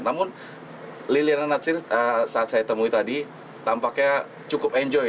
namun liliana natsir saat saya temui tadi tampaknya cukup enjoy